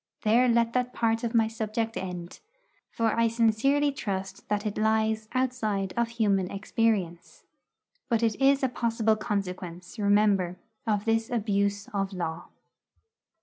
There let that part of my subject end; for I sincerely trust that it lies outside of human experience. But it is a possible consequence, remember, of this abuse of law.